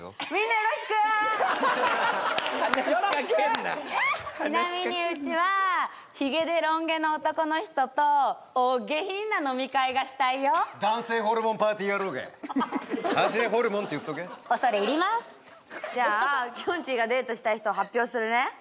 よろしくちなみにうちはヒゲでロン毛の男の人とお下品な飲み会がしたいよ男性ホルモンパーティー野郎か走れホルモンって言っとけ恐れ入りますじゃあきょんちぃがデートしたい人を発表するね